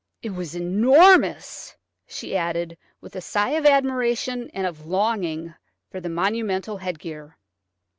It was enormous," she added, with a sigh of admiration and of longing for the monumental headgear.